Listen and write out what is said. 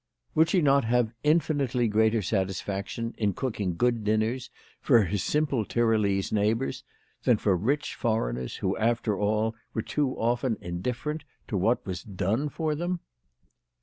Would she not have infinitely greater satisfaction in cooking good dinners for her simple Tyrolese neighbours, than for rich foreigners who, after all, were too often indifferent to what was done for them